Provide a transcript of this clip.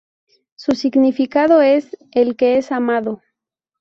Su significado es "el que es amado".